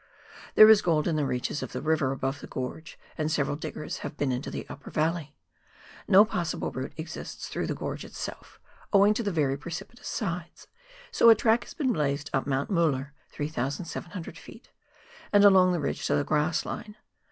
There is gold in the reaches of the river above the gorge, and several diggers have been into the upper valley. No possible route exists through the gorge itself, owing to the very precipitous sides, so a track has been blazed up Moimt Mueller (3,700 ft.), and along the ridge to the grass line.